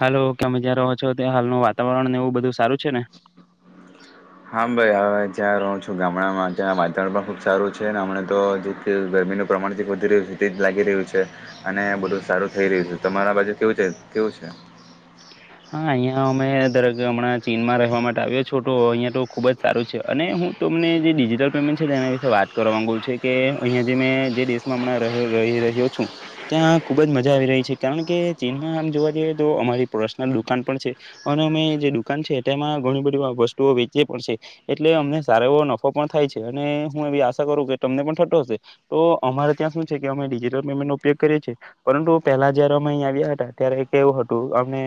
હાલો તમે જ્યાં રહો છો, ત્યાં હાલનું વાતાવરણને એવું બધું સારું છે ને? હા ભાઈ હવે ત્યાં રહો છું, ગામડામાં ત્યાં વાતાવરણ પણ ખુબ સારું છે. હમણાતો [unintelligible] જમીનનું પ્રમાણ જે વધી રહ્યું છે. તે જ લાગી રહ્યું છે. અને બધુ સારું થઈ રહ્યું છે. તમારા બાજુ કેવું છે? કેવ વુ છે [inaudible] હા અહિયાં અમે દરેક હમણાં ચીનમાં રહેવા માટે આવ્યો છો તો અહિયાં તો ખુબ જ સારું છે. અને હું તો ને જે ડિજિટલ પેમેન્ટ છે તેના વિશે વાત કરવા માંગુ છે કે અહિયાં જે મેં જે દેશમાં હમણાં ર રી રહી રહ્યો છુ. ત્યાં ખુબ જ મજા આવી રહી છે. કારણ કે ચીનમાં આમ જોવા જઈએ તો અમારી પો દુકાન પણ છે. અને અમે જે દુકાન છે. તેમાં ઘણી બધી વસ્તુઓ વેચીએ પણ છે. એટલે અમને સારો એવો નફો પણ થાય છે. અને હું એવી આશા કરું કે તમને પણ થતો હશે. તો અમારે ત્યાં શું છે કે અમ મા ડિજિટલ પેમેન્ટ નો ઉપયોગ કરીએ છીએ. પરંતુ પેહલા જયારે અમે અહીયા આવ્યા હતા ત્યારે કે એવું હતું અમે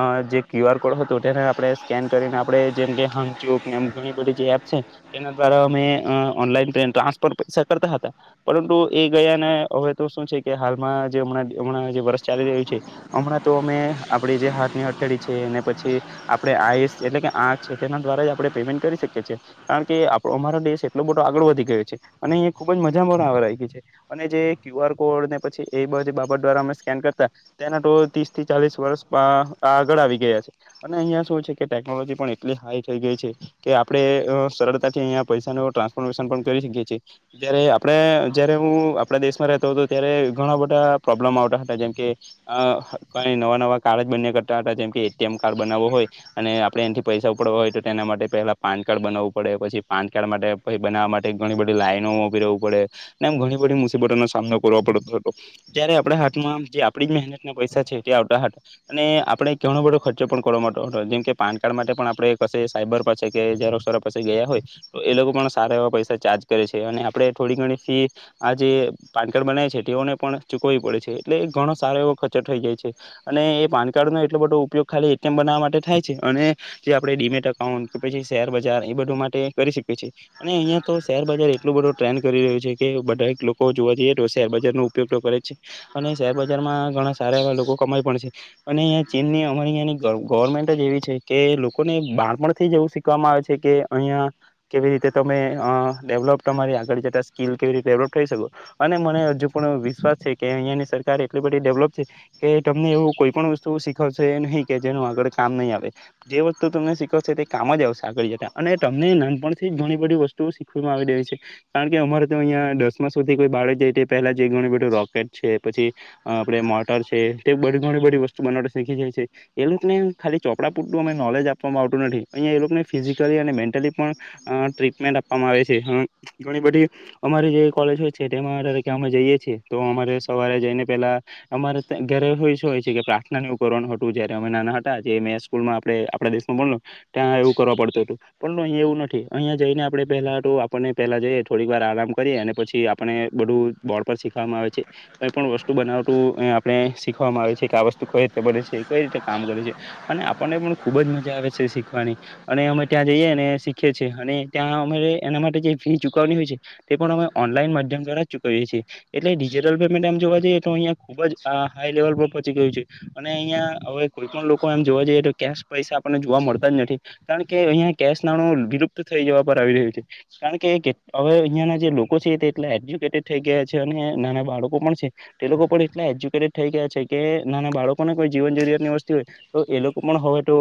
અ જે ક્યુઆર કોડ હતો તેને આપણે સ્કેન કરીને, આપડણે જેમ કે હંગચોકને એમ ઘણી બધી જગ્યા છે. એના ધ્વારા અમે અ ઓનલાઈ ટ્રાન્સફ પૈસા કરતા હતા પરંતુ એ ગયા ને અ હવે તો શું છે કે હાલમાં જેં હમણાં હમણાં જે વર્ષ ચાલી રહ્યું છે. હમણાં તો અમે આપડી જે હાથની હથેળી છે. અને પછી આપડે આઈસ એટલે કે આંખ છે તેના દ્વારા જ આપડણે પેમેન્ટ કરી શકી કિયે છે. કારણ કે આપડો અમારો દેશ એટલો બધો આગળ વધી ગયો છે. અને અયા ખુબજ મજા પણ આવા લાગી છે. અને જે ક્યુઆર કોડ ને પછી એ બધી બાબત દ્વારા અમે સ્કેન કરતા, તેનાતો ત્રીસ થી ચાલીસ વર્ષ આ આગળ આવી ગયા છે. અને અહિયાં શું છે કે ટેકનોલોજી પણ એટલી હાઈ થઈ ગઈ છે. કે આપડે સરડથી અ પૈસાનુ ટ્રાન્સોન કરી શકીએ છીએ આપે જયારે હુ આપણા દેશમાં રહેતો હતો ત્યારે ઘણા બધા પ્રોબ્લેમ આવતા હતા જેમકે કઈ નવા નવા કાર્ડ જ બને કરતા હતા જેમ કે એટીએમ કાર્ડ બનાવો હોય અને આપણે એનાથી પૈસા ઉપડવા હોય તો તેના માટે પેલા પાન કાર્ડ બનાવું પડે પછી પાન કાર્ડ માટે પછ બનાવવા માટે ઘણી બધી લાઈનોવું પડે ને એમ ઘણી બધી મુસીબતોનો સામનો કરો પડતો હતો જ્યારે આપણા હાથમાં જે આપડી મહેનત ના પૈસા છે તે આવતા હતા અને આપણે ઘણો બધો ખર્ચો પણ કરવા માટે હતો જેમ કે પાન કાર્ડ માટે પણ આપડે પાસે સાયબર પાસે કે ગયા હોય તો એ લોકો પણ સારા એવા પૈસા ચાર્જ કરે છે અને આપે થોડી ઘણી ફી આજ જે પાનકાર્ડ બનાવે છે તેઓને પણ ચૂકવવી પડે છે એટલે એ ઘણો સારો એવો ખર્ચર થઈ જાય છે અને એ પાન કાર્ડ નો એટલો બટો ઉપયોગ ખાલી એટીએમ બનાવવા માટે થાય છે અને જે આપડે ડીમેટ અકાઉન્ટ કે પછી શેરબજાર એ બધું માટે કરી શકી છી અને અહિયાયા તો શેરબજાર એટલું બધું ટ્રેન્ડ કરી રહ્યું છે કે બધા લોકો જોવા જઈએ તો શેરબજાર નો ઉપયોગ કરે છે અને શેરબજાર માં ઘણા સાર એવા લોકો કમાય અને અહીંયા ચીનની અમારીંની ગવર્મેન્ટ જ એવી છે કે લોકોને બાળપણ થીજ એવુ આવે છે કે અહિયાં કેવી રીતે તમે ડેવલપ તમારી આગળ જતા સ્કીલ કેવી રીતેે ડેવલપ અને મને હજુ પણ વિશ્વાસ છે કે અહીંયાની સરકાર એટલી બધી ડેવલપ છે કે તમને એવું કોઈ પણ વસ્તુ શીખવશે નહી કે જેનું આગળ કામ નહી આવે જે વસ્તુ તમને શીખવશે તે કામ જ આવશે આગળ જતા અને તમને નાનપણથી ઘણી બધી વસ્તુ શીખવામાં આવી રહી છે કારણ કે અમારે તો અહિયાં દસમા સુધી કોઈ બાડે જાય પહેલા જે ઘણું બધું રોકેટ છે પછી આપડે મોટર છે તે બધ ઘણી બધી વસ્તુ બનાવ શીખી જાય છે એ લોકો ને ખાલી ચોપડા પુંરતુ અમે નોલેજ આપવામાં આવતું નથી અઈ એ લોકોને ફિજીકલી મેન્ટલી પણ આપવામાં આવે છે હોય છે અમે જઈએ છીએ તો અમારે સવારે જઈને પેલા અમારે ્યારે શ હોય છે કે પ્રાર્થ નું કરવાણ હતું જયારે અમે નાના હતા મેં સ્કૂલમાં આપણે આપણા દેશમાં બો ત્યાં એવું કરવા પડતું હતું પણ અહીંયા એવું નથી અહિયાયા જઈને આપણે પેલા આપણને પેલા જઈએ થોડીક વાર આ કરી પછી આપને બધું બોર્ડ પર શીખવામાં આવે છે કઈ પણ વસ્તુ બનાવતું આપણે શીખવામાં આવે છે કે આ વસ્તુ કઈ રીતે બને છે કઈ રીતે કામ કરે છે અને આપણને પણ ખુબ જ મજા આવે છે શીખવાની અને અમે ત્યાં જઈએ શીખીએ છીએ અને ત્યાં અરે એના માટે જે ફી ચુકવની હોય છે તે પણ અમે ઓનલાઈન માધ્યમ દ્વારા ચૂકવીએ છીએ એટલે ડિજિટલ પેમેન્ટ એમ જોવા જઈએ તો અહીિયાં ખુબ જ હાઈ લેવલ પર પહોંચી ગયું છે અને અહિયાં હવે કોઈ પણ લોકો એમ જોવા જઈ તો કેશ પૈસા આપને જોવા મળતા જ નથી કારણ કે અહીિયાં કેશ નાણું વિલુપ્ત થઈ જવા પર આવી રહ્યું છે કારણ કે હવે અહિયાં ના જે લોકો છે તેટલા એજ્યુકેટેડ થઈ ગયા છે અને નાના બાળકો પણ છે તે લોકો પણ એટલા એજ્યુકે થઈ ગયા છે કે નાના બાળકોને કોઈ જીવન જરૂરિયાત ની વસ્તી હોય તો એ લોકો પણ હવે તો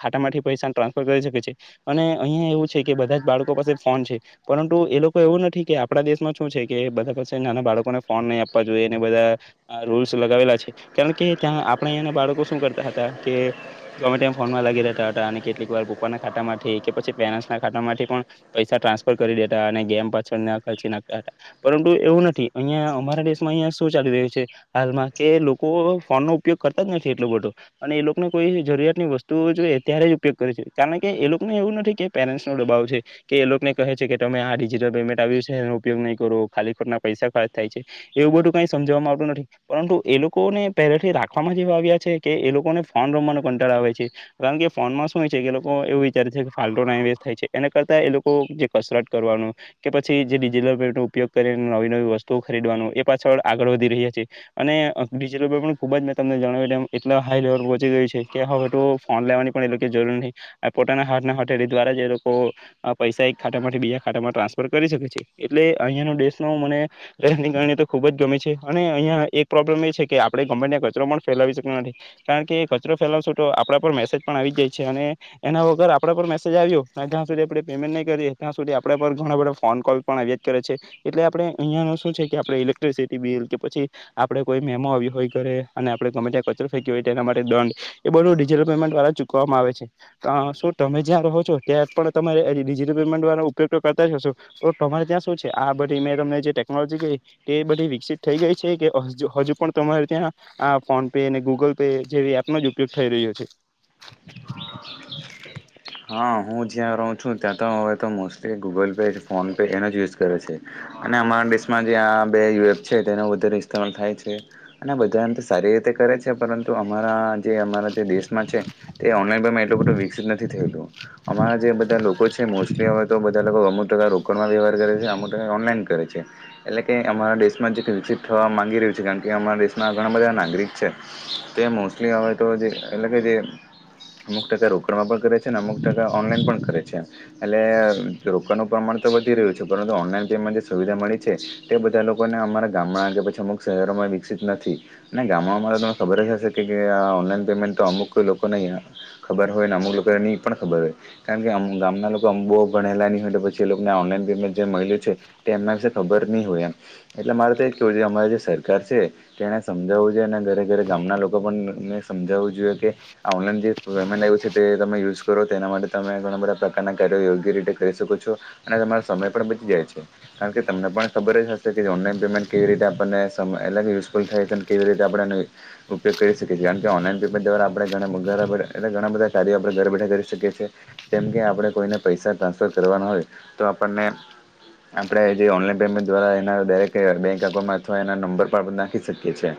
ખાટામાંથી પૈસા ટ્રાન્સફર કરી શકે છે અને અહિયાયા એવું છે કે બધા જ બાળકો પાસે ફોન છે પરુ એ લોકો એવું નથી કે આપડા દેશ માં શું છે કે બધા પાછસે નાના બાળકોને ફોન નહીં આપવા જોઈએ બધા રૂલ્સ લગાવેલા છે કારણ કે ત્યાં આપણા અહં ના બાળકો શું કરતા હતા કે ગમે ફોનમાં લી રહતા હતા અને કેટલીક વાર પપ્પાના ખાતામાંથી કે પછી પેરેન્ટ્સ ના ખાતામાંથી પણ પૈસા ટ્રન્ફર કરી દેતા અને ગેમ પાછળ ખર્ચી નાખતા હતા પરંતુ એવું નથી અહિયાયા અમારા દેશમાં અ ચાલી રહ્યું છે હાલમાં કે લોકો ફોન નો ઉપયોગ કરતા જ નથી એટલો બધો અને એ લોકોને કોઈ જરૂ વતુઓ ત્યારે જ ઉપયોગ કરે છે કારણ કે એ લોકોને એવું નથી કે પેરેન્ટ નો દબાવ છે કે એ લોકોને ક છે કે તમે આ ડિજિટલ પેમેન્ટ આવ્યું છે એનો ઉપયોગ નહી કરો ખાલી ખોટના પૈસા ખર્ચ થાય છે એવું બધું કઈ સમજવામાં આવતું નથી પરંતુ એ લોકોને પહેલેથી રાખમાં જેવા આવ્યા છે કે એ લોકો ને ફોન રમવા કો કારણ કે ફોનમાં શું હોય છે લોકો એવું વિચ છે કે ફ્ટો ના વ થાય છે એના કરતા એ લોકો જે કસરત કરવાનું કે પછી જે ડિજિટલ પેટ ન ઉપયોગ કરીને નવી નવી વસ્તુઓ ખરીદવાનું એ પાછળ આગળ વધી રહ્યા છેએ અને ડિજિટલ પણ ખૂબ જ મેં તમને જણાવ્યુંમ એટલા હાઈ લેવલ પર પહોચી ગય છે હું ફોન લેવાની પણ એ લોકો જરૂર નહી આ પોતાના હટટે દ્વારા એ લોકો પૈસા ખામાંથી બીજા ખાતામાં ટ્રાન્સફર કરી શકે છે એટલે અહિયાંનો દેશ મને તો ખુબ જ ગમે છે અને અહીંયા એક પ્રોબ્લેમ એ છે કે આપે ગમે કચરો પણ ફેલાવી શક્યો નથી કારણ કે કચરો ફેલાટો તો આપણા પર મેસેજ પણ આવી જાય છે અને એના વગર આપડા પર મેસેજ આવ્યો ત્યાં સુધી આપણે પેમેન્ટ નહી કરી ત્યાં સુધી આપડે પર ઘણા બધા ફોન કોલ પણ અ આવત કરે છે એટલે આપણે અહિયાંનું શું છે કે આપણે ઇલેક્ટ્રિસિટી બિલ કે પછી આપડે કોઈ મેમો આવ હોય ઘે અને આપડ ગમે ત્યાં કચરો ફેંકી્યો હોય તો એના માટે દંડ એ બધું ડિજટલ પેમેન્ટ દ્વારા ચૂકવામાં આવે છે શું તમે જ્યાં રહો છો ત્યાં પણ તમા ડજટલ પેમેન્ટ વાળ ઉપયોગ કરતા હશો તો અરે ત્યાં શું છે આ બધી મેં તમને જે ટેકનોલોજી ક તે બધી થઈ ગઈ છે કે હજુ પણ તમારે ત્યાં આ ફોન પે અને ગૂગલ પે જેવી એપનોો જ ઉપયોગ થાય રહ્યો છે હા હું જ્યાં રહું છું ત્યાં તો હવે તો mostly Google Pay PhonePe એનો જ યુઝ કરે છે અમા દેશમાં જે આ બે યુએપ છે તેનો વધારે મલ થાય છે અને બધાને સારી રીતે પરંતુ જે દેશમાં છે તે ઓનલાઈન એટલુંધું વિકસિત નથી ેું અમારા જે બધા લોકો છે મોસ્ટલી હવે તો બધા લોકો અમુક ટકા રોકાણમાં વ્યવહ કરે છે અમુક ટકા ઓનલાઈન કરે છે એટલે કે અમારા દેશમાં જે વિકસિત થવા માંગી રહ્યું છે કારણ કે અમારા દેશમાં ઘણા બધા ના એટ જેમુક ટકા રોકડ પણ કરે અમુક ટ ઓનલાન પણ કરે છે એટલે રોકાનું પ્રમાણ તો વધી રહ્યું છે પરંતુ ઓનલાન પ સુવિધા મળી છે તે બધા લોકોને અમારા ગામમાં કે પછી અમુક શહેરોમાં વિકસિત નથી અને ગામ અ અમારે તમને ખબર જ હશે કે આ ઓનલાઈન પેમેન્ટ તો અમુક કોઈ લોકો નહીં ખબર હોય ને અમુક લોકો નહીં પણ ખબર હોય કારણ કે ગામના લોકો અંબો ભણેલા ની હોય તો પછી એ લોકોને ઓનલાઈન પેમેન્ટ જે મળ્યું છે તે એમના વિશે ખબર નહીં હોય એમ એટલે મારે તો એ જ કવું છે અમારે જે સરકાર છે તેને સમજાવવું જોઈએ અને ઘરે ઘરે ગામના લોકો પણને સમજાવવું જોઈએ કે ઓનલાઈન જે પેમેન્ટ આવ્યું છે તે તમે યુઝ કરો તેના માટે તમે ઘણા બધા પ્રકારના કાર્યો યોગ્ય રીતે કરી શકો છો અને તમારો સમય પણ બચી જાય છે કારણ કે તમને પણ ખબર જ હશે કે ઓનલાઈન પેમેન્ટ કેવી રીતે આપણને એટ યુઝફુલ થાય છે કેવી રીતે આપણે ઉપયોગ કરી શકીએીએ કારણ કે ઓનલાઈન પેમેન્ટ દ્વારા આપણે ઘણા બધા કાર્યો આપણે ઘર બેઠા કરી છે કે જેમ કે આપણે કોઈને પૈસા ટ્રાન્સફર કરવાના હોય તો આપણને આપણેે જે ઓનલાઈન પેમેન્ટ દ્વારા એના ડાયરેક્ટ બેક એકાઉન્ટમાં અથવા એના નંબર પર આપણે નાખી શકીએ છે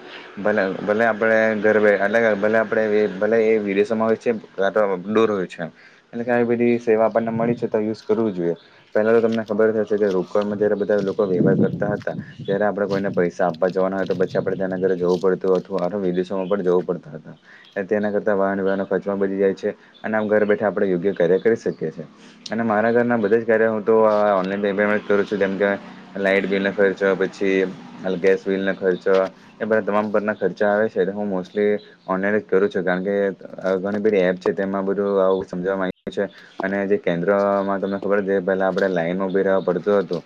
ભલે ભલે આપડે ધરે એટલે કે ભલે આપડે ભલે એ વિડેસોમા હોય છે કાતો દુર હોય છે એટલે કે બધી સેવા આપને મળી છે તો યુઝ કરવું જોઈએ પેલા તો તમને ખબર હશે કે રોકડ માં જયારે બધા લોકો વ્યવહાર કરતા હતા ત્યારે આપણેે કોઈને પૈસા આપવા જવાના હોય તો પછી આપણે ત્યાના ઘરે જવું પડતું અથવા વિદેશોમાં પણ જવું પડતા હતા તેના કરતા વાહનવ્યવહાર ખચૉ બચી જાય છે અને ઘર બેઠા આપણે યોગ્ય કાર્ય કરી શકીએ છે અને મારા ઘરના બધા જ કાર્ય હું તો ઓનલાઈન પેમેન્ટમા જ કરું છું. જેમ કે લાઈટ બિલ ખર્ચો પછી ગેસ બિલ ખર્ચો એ બધા તમામ પ્ર ખચૉ આવે છે હું મોસટલી ઓનલાન કરું છું કારણ કે અ ઘણી બધી એપ છે તેમાં બ નુ આવું સમજવા છે અને જે કેન્દ્રમાં તમને ખબર છે પેલા આપડે લાઈન ઉભી રેવા પડતુ હતો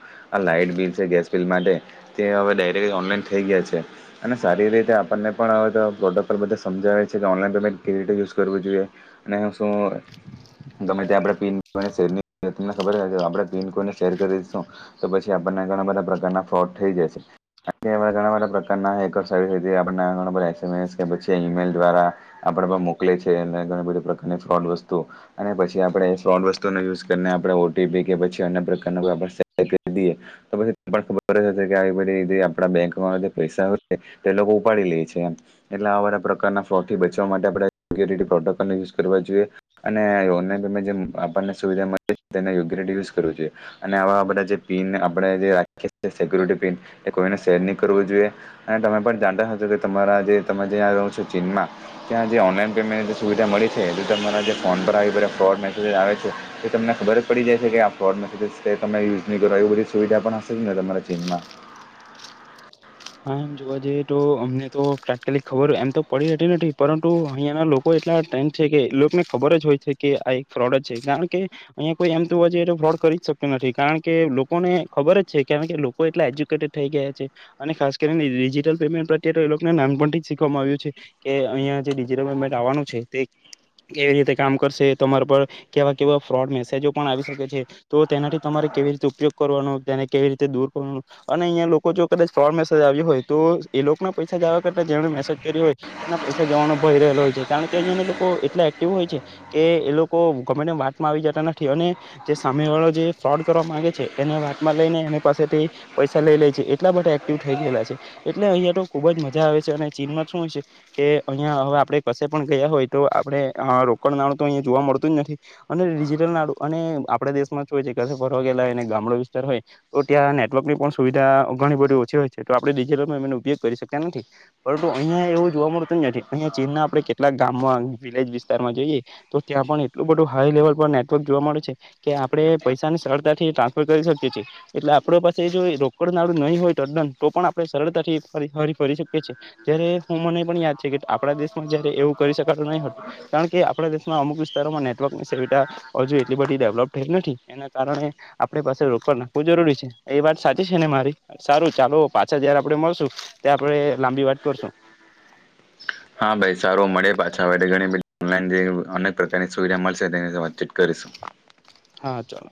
લાઈટ બિલ છે ગેશબીલ માટે તે ઓનલાઈન થઈ ગયા છે અને સારી એવી રીતે આપણને પણ હવે તો પ્રોટોકોલ બધા સમજાવે છે કે ઓનલાઈન પેમેન્ટ કવી રીતે યુઝ કરવું જોઈએ અને શું ગમે ત્યાં આપણે પીન શેરની તમને ખબર છે આપડણે પિન કોઈને શેર કરી દેશું તો પછી આપણને ઘણા બધા પ્રકારના ફ્રોડ થઈ જશે કારણ કે એવા ઘણા બધા પ્રકારના હેકસૅ જે ઘણા બધા એસ એમ એસ કે પછી ઈમેલ દ્વારા આપડે પણ મોકલે છે અને ઘણી બધી પ્ર અને ફ્રોડ વસ્તુ અને પછી આપણે એ ફ્રોડ વસ્તુનો યુઝ કરીને આપણે ઓ ટી પી કે પછી અન્ય પ્રકારના કોઈ સેર કરી દીએ તો પછી ખબર જ હશે કે આવી બધી બેંકમાં જે પૈસા હોય છે તે લોકો ઉપાડી લે છે એમ એટલે આવા બધા પ્રકારના ફ્રોડથી બચવા માટે આપણે યોગ્ય રીતે પ્રોટોકોલનો યુઝ કરવા જોઈએ અને ઓનલાઈન પેમેન્ટ જેમ આપણને સુવિધા મળે તેને યોગ્ય રીતે યુઝ કરવું જોઈએ અને આવા બધા જે પિન આપણે જે રાખીએ છે સિક્યુરિટી પિન કોઈને શેર ની કરવું જોઈએ અને તમે પણ જાણતા હશો કે તમારા જે તમે જ્યાં રહો છો ચીનમાં ત્યાં જે ઓનલાઈન પેમેન્ટ સુવિધા મળી છે એટલે તમારા જે ફોન પર આવે બધા ફ્રોડ મેસેજસ આવે છે એ તમને ખબર જ પડી જાય છે કે આ ફ્રોડ મેસેજ છે તમે યુઝ ની કરો એવી બધી સુવિધા પણ હશે જ ને તમારા ચીનમાં હા એમ જોવા જઈએ તો અમને તો તાત્કાલિક ખબર હોય એમ તો પડી જતી નથી પરંતુ અહિયાં ના લોકો કેટલા ટ્રેન્ડ છે કે લોકોને ખબર જ હોય છે કે આ એક ફ્રોડ જ છે કારણ કે અહીંયા કોઈ એમ જોવા જઈએ તો ફોડ કરી જ શક્ય નથી કારણ કે લોકોને ખબર જ છે કારણ કે લોકો એટલા એજ્યુકેટેડ થઈ ગયા છે. અને ખાસ કરીને ડિજિટલ પેમેન્ટ પ્રત્યેતો એ લોકોને નાનપણથી જ શીખવામાં આવ્યું છે કે અહંયા જે ડિજિટલ પેમેન્ટ આવાનું છે તે એવી રીતે કામ કરશે તમારા પર કેવા કેવા ફ્રોડ મેસેજો પણ આવી શકે છે તો તેનાથી તમારે કેવી રીતે ઉપયોગ કરવાનો તેને કેવી રીતે દૂર કરવાનો અને અહીંયા લોકો જો કદાચ ફ્રોડ મેસેજ આવ્યો હોય તો એ લોકના પૈસા જાવા કરતા જેણે મેસેજ કર્યો હોય તેના પૈસા જવાનો ભય રહેલો હોય જે કારણ કે અહિયાં લોકો એટલા એક્ટિવ હોય છે કે એ લોકો ગમે વાતમાં આવી જતા નથી અને સામે વાળો જે ફ્રોડ કરવા માગે છે એને વાત માં લઈને એની પાસેથી પૈસા લઈ લે છે એટલા બધા એકટીવ થઈ ગયેલા છે એટલે અહિયાં તો ખુબ જ મજા આવે છે અને ચીનમાં શું હોય છે કે અહિયાં હવે આપડે કશે પણ ગયા હોય તો આપણે અ રોકડ નાણુ તો અહીયા જોવા મળતું જ નથી અને ડિજિટલ નાણુ અને આ આપણા દેશમાં શુ હોય છે કસે ફરવા ગયેલા ને ગામડો વિસ્તાર હોય તો ત્યાં નેટવર્કની પણ સુવિધા ઘણી બધી ઓ છે તો આપણે ડીજીટલ પેમેન્ટનો ઉપયોગ કરી શક્યા નથી પરંતુ અહિયા એવું જોવા મળતું જ નથી અહીંયા ચીન આપણે કેટલાક ગામમાં વિલેજ વિસ્તારમાં જઈએ તો ત્યાં પણ એટલું બધું હાઈ લેવલ પર નેટવર્ક જોવા મળે છે. કે આપણેે પૈસાની સરળતાથી ટ્રાન્સફર કરી શકીએ છે એટલે આપડે પાસે જો રોકડ નાણુ નહીં હોય તડન તો પણ આપણે સરતાથી ફરી હરી ફરી શકીએ છે જ્યારે હું મને પણ યાદ છે કે આપણા દેશમાં એવું કરી શું નહી હતું કારણ કે આપણા દેશમાં અમુક વિસ્તારોમાં નેટવર્કની સુવિધા અજુ એટલી બધી ડેવ- લપ થયેલી નથી એના કારણે આપે પાસે રોકડ રાખવું જરૂરી છે એ વાત સાચી છે ને મારી સારું ચાલો પાછા જયારે આપડશુ મળશું ત્યારે આપણે લાંબી વાત કરશું હા ભાઈ સારુ મળીએ પાછા હવે ઘણી બધી ઓનલાઈન જે અનેક પ્રકારની સુવિધા મલશે તેની વાતચીત કરી [unintelligible] હા ચલો